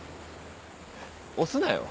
押すなよ。